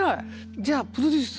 じゃあプロデュース。